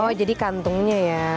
oh jadi kantungnya ya